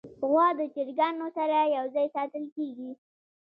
غوا د چرګانو سره یو ځای ساتل کېږي.